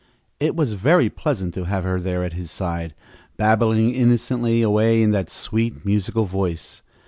It was very pleasant to have her there at his side, babbling innocently away in that sweet, musical voice.